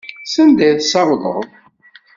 Sanda i tessawḍeḍ?